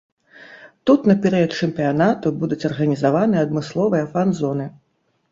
Тут на перыяд чэмпіянату будуць арганізаваны адмысловыя фан-зоны.